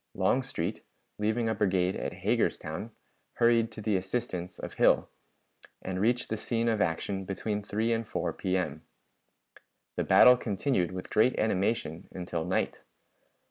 Longstreet, leaving a brigade at Hagerstown, hurried to the assistance of Hill, and reached the scene of action between 3 and 4 P.M. The battle continued with great animation until night.